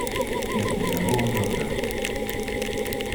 Is it a go or no-go?